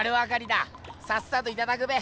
さっさといただくべ！